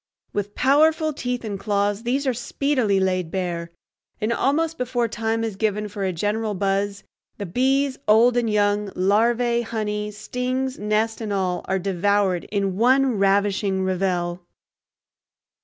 With powerful teeth and claws these are speedily laid bare, and almost before time is given for a general buzz the bees, old and young, larvae, honey, stings, nest, and all, are devoured in one ravishing revel.